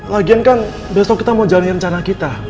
lagian kan besok kita mau jalanin rencana kita